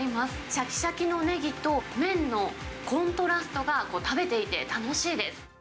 しゃきしゃきのネギと麺のコントラストが、食べていて楽しいです。